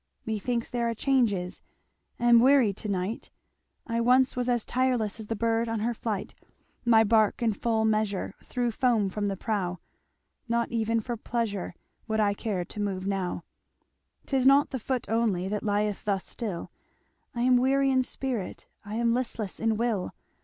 "Methinks there are changes Am weary to night, I once was as tireless As the bird on her flight; My bark in full measure Threw foam from the prow; Not even for pleasure Would I care to move now. "Tis not the foot only That lieth thus still, I am weary in spirit, I am listless in will.